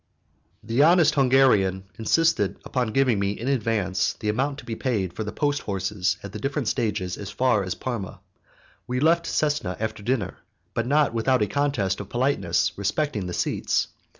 The honest Hungarian insisted upon giving me in advance the amount to be paid for the post horses at the different stages as far as Parma. We left Cesena after dinner, but not without a contest of politeness respecting the seats.